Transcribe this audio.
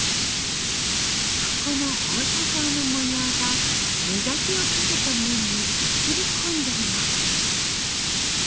底の放射状の模様が磨きをかけた面に映り込んでいます。